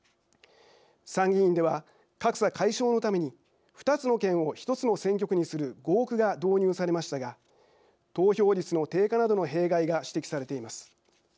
参議院では格差解消のために２つの県を１つの選挙区にする合区が導入されましたが投票率の低下などの弊害が指摘されています。